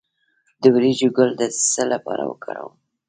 د وریجو ګل د څه لپاره وکاروم؟